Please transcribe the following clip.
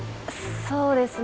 そうですね